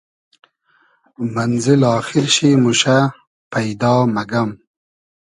مئنزیل آخیر شی موشۂ پݷدا مئگئم